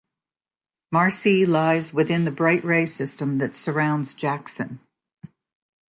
Marci lies within the bright ray system that surrounds Jackson.